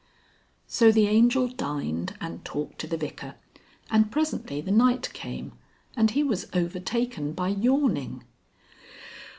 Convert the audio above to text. So the Angel dined and talked to the Vicar, and presently the night came and he was overtaken by yawning.